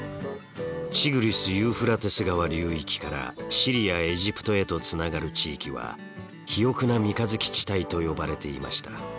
ティグリスユーフラテス川流域からシリアエジプトへとつながる地域は肥沃な三日月地帯と呼ばれていました。